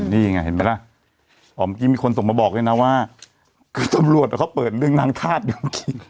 นี่ไงเห็นไหมล่ะอ๋อเมื่อกี้มีคนส่งมาบอกด้วยนะว่าคือตำรวจเขาเปิดเรื่องนางธาตุอยู่เมื่อกี้